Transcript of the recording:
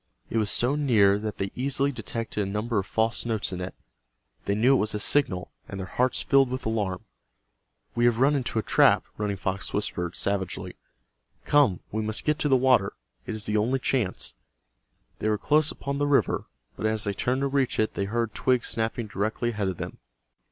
It was so near that they easily detected a number of false notes in it. They knew it was a signal, and their hearts filled with alarm. "We have run into a trap," Running Fox whispered, savagely. "Come, we must get to the water. It is the only chance." They were close upon the river, but as they turned to reach it they heard twigs snapping directly ahead of them.